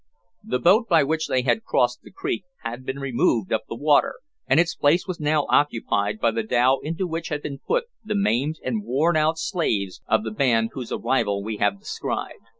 The boat by which they had crossed the creek had been removed up the water, and its place was now occupied by the dhow into which had been put the maimed and worn out slaves of the band whose arrival we have described.